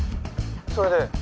それで？